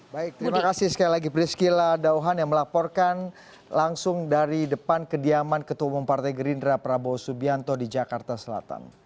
baik terima kasih sekali lagi priscila dauhan yang melaporkan langsung dari depan kediaman ketua umum partai gerindra prabowo subianto di jakarta selatan